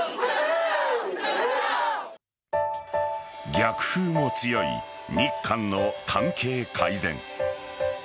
逆風も強い日韓の関係改善。